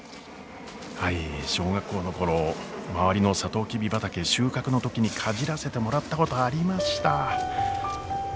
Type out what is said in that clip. はい小学校の頃周りのサトウキビ畑収穫の時にかじらせてもらったことありました。